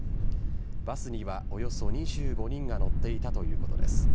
バスにはおよそ２５人が乗っていたということです。